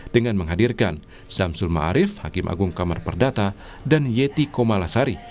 dengan menghadirkan sam sulma arief hakim agung kamar perdata dan yeti komalasari